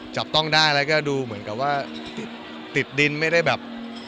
จับต้องได้แล้วก็ดูเหมือนกับว่าติดดินไม่ได้แบบ